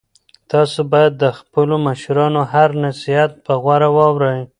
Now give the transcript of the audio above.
تاسو باید د خپلو مشرانو هر نصیحت په غور واورئ.